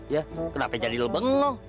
ya kenapa jadi lo bengong